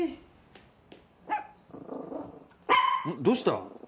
どうした？